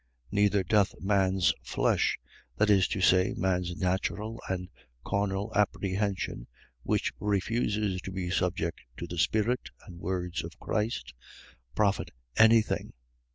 Neither doth man's flesh, that is to say, man's natural and carnal apprehension, (which refuses to be subject to the spirit, and words of Christ,) profit any thing.